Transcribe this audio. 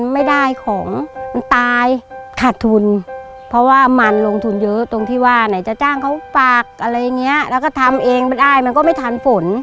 มันก็ไม่ทันฝน